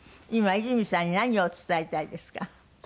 今いずみさんに何を伝えたいですか？